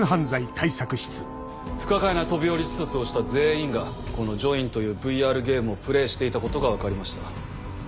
不可解な飛び降り自殺をした全員がこの『ジョイン』というＶＲゲームをプレーしていたことが分かりました。